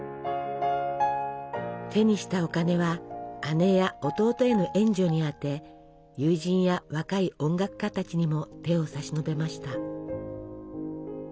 手にしたお金は姉や弟への援助に充て友人や若い音楽家たちにも手を差し伸べました。